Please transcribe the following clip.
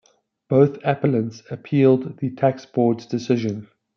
Both appellants appealed the Tax Board's decision.